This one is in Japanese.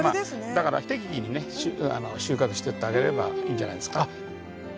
だから適宜にね収穫してってあげればいいんじゃないですか。